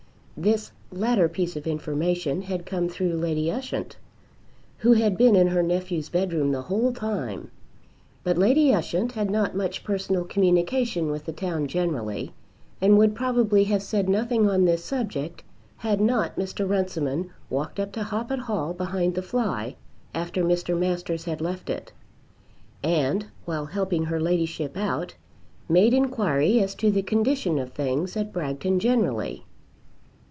This latter piece of information had come through Lady Ushant, who had been in her nephew's bedroom the whole time; but Lady Ushant had not much personal communication with the town generally, and would probably have said nothing on this subject had not Mr. Runciman walked up to Hoppet Hall behind the fly, after Mr. Masters had left it; and, while helping her ladyship out, made inquiry as to the condition of things at Bragton generally.